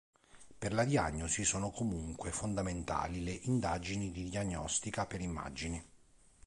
Per la diagnosi sono comunque fondamentali le indagini di diagnostica per immagini.